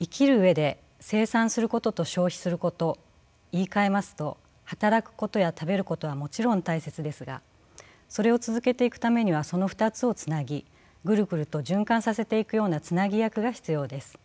生きる上で生産することと消費すること言いかえますと働くことや食べることはもちろん大切ですがそれを続けていくためにはその２つをつなぎぐるぐると循環させていくようなつなぎ役が必要です。